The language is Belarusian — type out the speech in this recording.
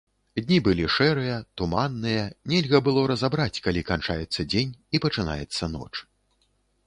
Дні былі шэрыя, туманныя, нельга было разабраць, калі канчаецца дзень і пачынаецца ноч.